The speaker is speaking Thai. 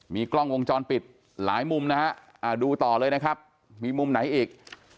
มีกล้องวงจรปิดหลายมุมนะฮะดูต่อเลยนะครับมีมุมไหนอีก